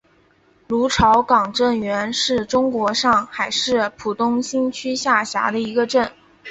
芦潮港镇原是中国上海市浦东新区下辖的一个镇。